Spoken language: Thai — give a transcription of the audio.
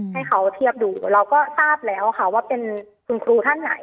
ให้เขาเทียบดูเราก็ทราบแล้วค่ะว่าเป็นคุณครูท่านไหน